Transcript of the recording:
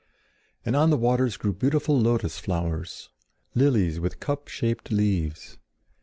And on the waters grew beautiful lotus flowers, lilies with cup shaped leaves.